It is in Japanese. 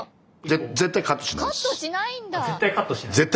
絶対カットしない？